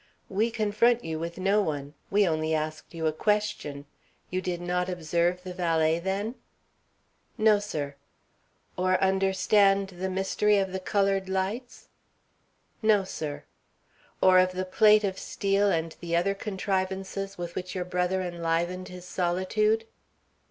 "We confront you with no one. We only asked you a question. You did not observe the valet, then?" "No, sir." "Or understand the mystery of the colored lights?" "No, sir." "Or of the plate of steel and the other contrivances with which your brother enlivened his solitude?"